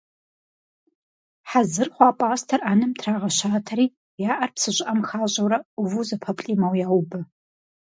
Хьэзыр хъуа пӏастэр ӏэнэм трагъэщатэри я ӏэр псы щӏыӏэм хащӏэурэ ӏуву, зэпэплӏимэу яубэ.